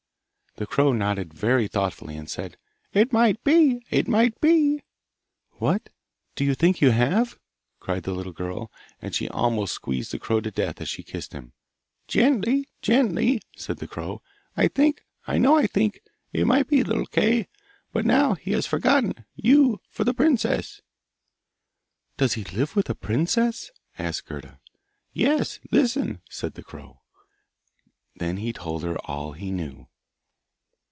The crow nodded very thoughtfully and said, 'It might be! It might be!' 'What! Do you think you have?' cried the little girl, and she almost squeezed the crow to death as she kissed him. 'Gently, gently!' said the crow. 'I think I know I think it might be little Kay, but now he has forgotten you for the princess!' 'Does he live with a princess?' asked Gerda. 'Yes, listen,' said the crow. Then he told her all he knew.